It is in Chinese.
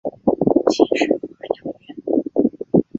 母亲是华阳院。